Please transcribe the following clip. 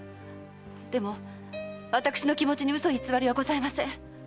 でも私の気持ちに嘘偽りはございません。